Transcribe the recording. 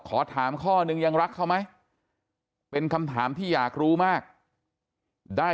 ขอถามข้อนึงยังรักเขาไหมเป็นคำถามที่อยากรู้มากได้